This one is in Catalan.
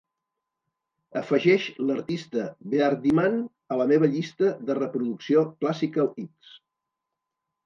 Afegeix l'artista Beardyman a la meva llista de reproducció Classical x